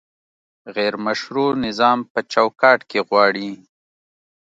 غیر مشروع نظام په چوکاټ کې غواړي؟